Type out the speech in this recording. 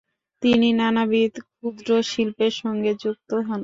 তিনি নানাবিধ ক্ষুদ্র শিল্পের সঙ্গে যুক্ত হন।